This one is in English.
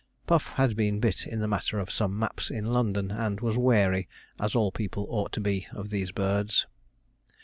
Puff had been bit in the matter of some maps in London, and was wary, as all people ought to be, of these birds.